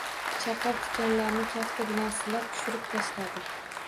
Chaqir tikanlarni kafti bilan silab tushirib tashladi.